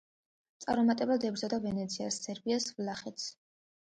წარუმატებლად ებრძოდა ვენეციას, სერბიას, ვლახეთს.